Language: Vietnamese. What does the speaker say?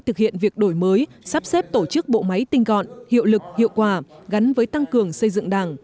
thực hiện việc đổi mới sắp xếp tổ chức bộ máy tinh gọn hiệu lực hiệu quả gắn với tăng cường xây dựng đảng